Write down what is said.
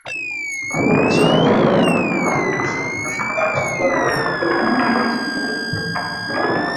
এসব ঘটনায় প্রবর্তক সংঘের কার্যকলাপ ব্যাপকভাবে ক্ষতিগ্রস্ত হয়ে পড়ে।